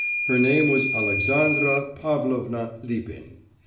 Her name was Alexandra Pavlovna Lipin.